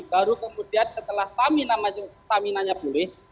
baru kemudian setelah saminanya boleh